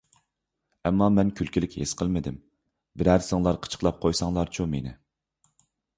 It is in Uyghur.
ئەمما مەن كۈلكىلىك ھېس قىلمىدىم. بىرەرسىڭلار قىچىقلاپ قويۇڭلارچۇ مېنى!